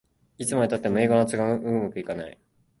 いつまでたっても英語の発音がうまくいかない